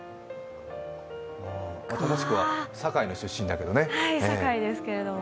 詳しくは堺出身だけどね。